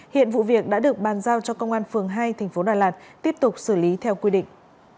hiện vụ việc đã được ban giao cho công an phường hai tp đà lạt tiếp tục xử lý theo quy định